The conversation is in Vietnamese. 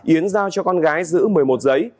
yến giao cho con gái giữ một mươi một giấy